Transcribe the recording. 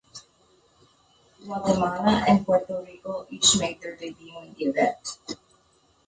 Guatemala and Puerto Rico each made their debut in the event.